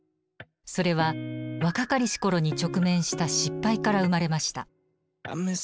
それは若かりし頃に直面した失敗から生まれました。